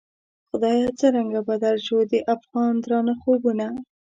خدایه څرنګه بدل شوو، د افغان درانه خوبونه